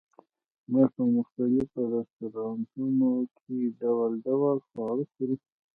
موږ په مختلفو رستورانتونو کې ډول ډول خواړه خورو